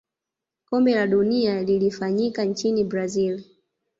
kombe la dunia lilifanyika nchini brazil